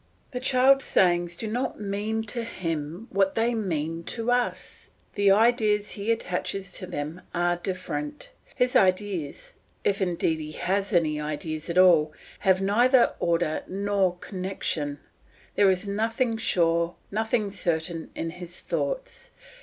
The child's sayings do not mean to him what they mean to us, the ideas he attaches to them are different. His ideas, if indeed he has any ideas at all, have neither order nor connection; there is nothing sure, nothing certain, in his thoughts.